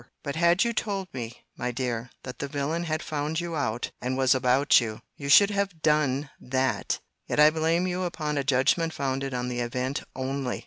—But had you told me, my dear, that the villain had found you out, and was about you!—You should have done that—yet I blame you upon a judgment founded on the event only!